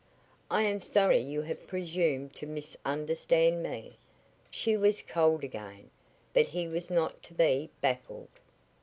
I am sorry you have presumed to misunderstand me." She was cold again, but he was not to be baffled.